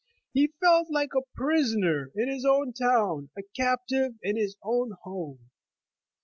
H'^ felt like a prisoner in his own town, a captive in his own home.